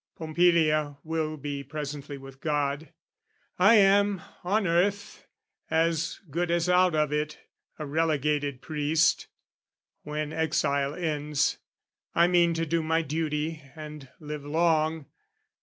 Pompilia will be presently with God; I am, on earth, as good as out of it, A relegated priest; when exile ends, I mean to do my duty and live long.